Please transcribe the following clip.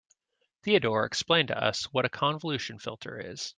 Theodore explained to us what a convolution filter is.